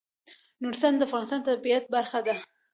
نورستان د افغانستان د طبیعت برخه ده.